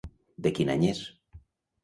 De quin any és?